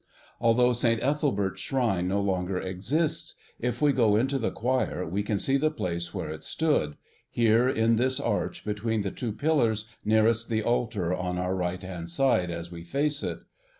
Although St. Ethelbert's shrine no longer exists, if we go into the choir we can see the place where it stood here, in this arch, between the two pillars nearest the altar on our right hand side as we face it.